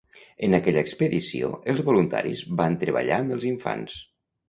En aquella expedició, els voluntaris van treballar amb els infants.